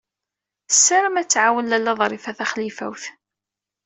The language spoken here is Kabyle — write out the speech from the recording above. Tessaram ad tt-tɛawen Lalla Ḍrifa Taxlifawt.